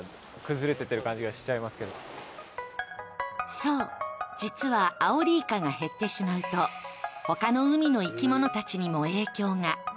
そう、実はアオリイカが減ってしまうとほかの海の生き物たちにも影響が。